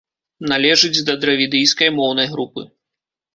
Належыць да дравідыйскай моўнай групы.